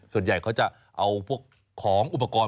ส่วนใหญ่เขาจะเอาพวกของอุปกรณ์